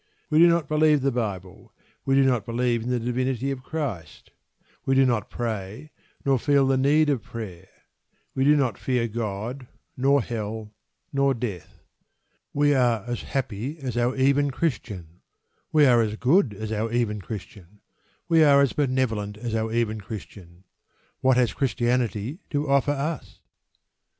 We do not believe the Bible; we do not believe in the divinity of Christ; we do not pray, nor feel the need of prayer; we do not fear God, nor Hell, nor death. We are as happy as our even Christian; we are as good as our even Christian; we are as benevolent as our even Christian: what has Christianity to offer us?